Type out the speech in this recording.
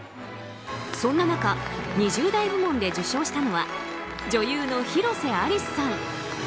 そんな中２０代部門で受賞したのは女優の広瀬アリスさん。